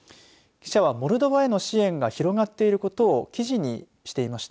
記者はモルドバへの支援が広がっていることを記事にしていました。